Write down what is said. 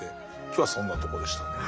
今日はそんなとこでしたね。